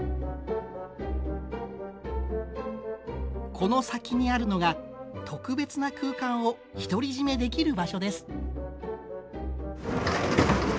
この先にあるのが特別な空間を独り占めできる場所です。